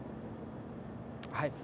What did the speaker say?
はい。